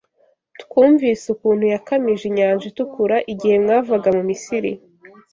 Twumvise ukuntu yakamije Inyanja Itukura igihe mwavaga mu Misiri